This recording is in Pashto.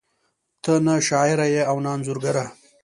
ته نه شاعره ېې او نه انځورګره